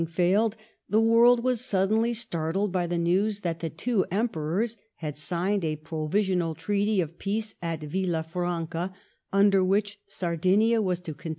yf LORD FALMEESTON AND ITALY. 195^ failed^ the world was suddenly startled by the news that the two. Emperors had signed a provisional treaty of peace at Villafranoa^ under which Sardinia was to con?